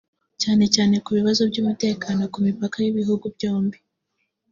cyane cyane ku bibazo by’umutekano ku mipaka y’ibihugu byombi